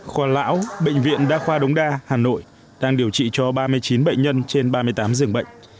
khoa lão bệnh viện đa khoa đống đa hà nội đang điều trị cho ba mươi chín bệnh nhân trên ba mươi tám dường bệnh